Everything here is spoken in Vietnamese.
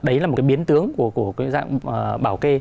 đấy là một biến tướng của dạng bảo kê